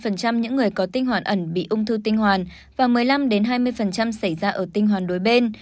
tám mươi tám mươi năm những người có tinh hoàn ẩn bị ung thư tinh hoàn và một mươi năm hai mươi xảy ra ở tinh hoàn đối bên